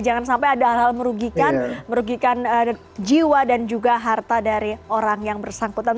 jangan sampai ada hal hal merugikan jiwa dan juga harta dari orang yang bersangkutan